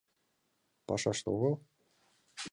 — Пашаште огыл?